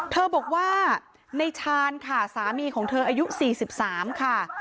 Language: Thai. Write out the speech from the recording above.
เธอบอกว่าในชานค่ะสามีของเธออายุสี่สิบสามค่ะ